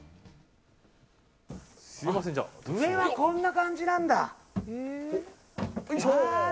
上はこんな感じなんだ。